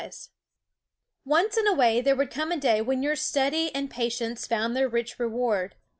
SCHOOL OF Once in a way there would come a day when >" our stud ^ and P atience found their "Roll Call rich reward.